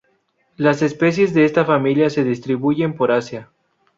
Las especies de esta familia se distribuyen por Asia.